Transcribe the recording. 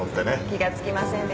気がつきませんでした。